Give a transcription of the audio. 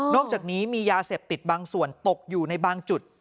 อกจากนี้มียาเสพติดบางส่วนตกอยู่ในบางจุด